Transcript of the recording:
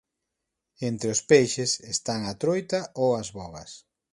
Entre os peixes están a troita ou as bogas.